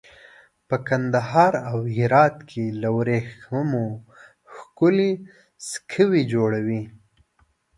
په کندهار او هرات کې له وریښمو ښکلي سکوي جوړوي.